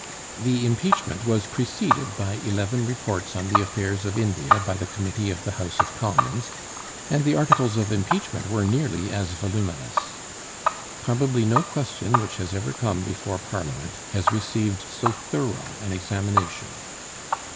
The impeachment was preceded by eleven reports on the affairs of India by the Committee of the House of Commons, and the articles of impeachment were nearly as voluminous. Probably no question which has ever come before Parliament has received so thorough an examination.